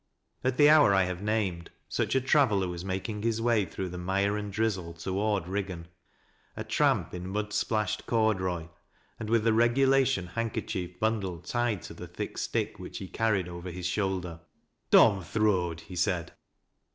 At the hour I have named, such a ti'aveller was making his way through the mire and drizzle toward Eiggan,~a tramp in mud splashed corduroy and with the regulation handkerchief bundle tied to the thick stick which he car ried over his shoulder. " Dom th rain ;— dom th road," he said.